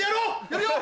やるよ！